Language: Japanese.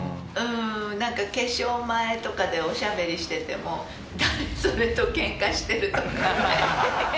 「なんか化粧前とかでおしゃべりしてても“誰それとケンカしてる”とかね」